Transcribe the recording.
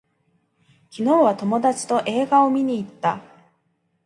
昨日は友達と映画を見に行った